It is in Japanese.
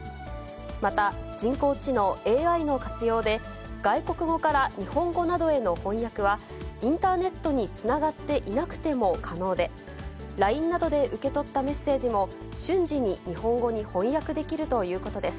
また、人工知能・ＡＩの活用で、外国語から日本語などへの翻訳は、インターネットにつながっていなくても可能で、ＬＩＮＥなどで受け取ったメッセージも、瞬時に日本語に翻訳できるということです。